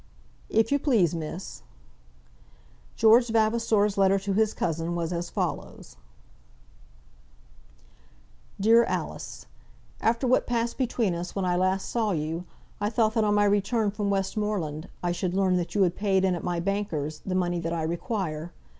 "If you please, miss." George Vavasor's letter to his cousin was as follows: DEAR ALICE, After what passed between us when I last saw you I thought that on my return from Westmoreland I should learn that you had paid in at my bankers' the money that I require.